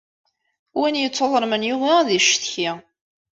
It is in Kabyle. Winna yettuḍelmen yugi ad yeccetki.